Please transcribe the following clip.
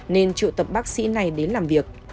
nên trụ tập bác sĩ này đến làm việc